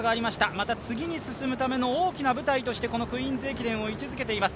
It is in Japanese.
また次ぎに進むための大きな舞台として、このクイーンズ駅伝を位置づけています。